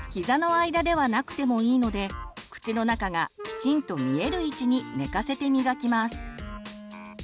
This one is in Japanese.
膝の間ではなくてもいいので口の中がきちんと見える位置に寝かせて磨きます。